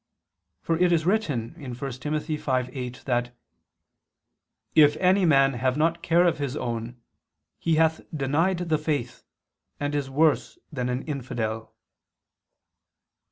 For it is written (1 Tim. 5:8) that "if any man have not care of his own ... he hath denied the faith, and is worse than an infidel."